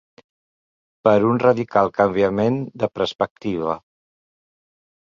Per un radical canviament de perspectiva.